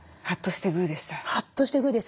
ハッとしてグーでした？